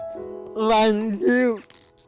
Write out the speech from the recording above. ทำงานชื่อนางหยาดฝนภูมิสุขอายุ๕๔ปี